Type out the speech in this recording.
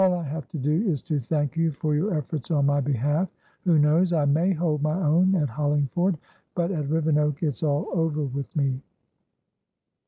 All I have to do is to thank you for your efforts on my behalf. Who knows? I may hold my own at Hollingford. But at Rivenoak it's all over with me."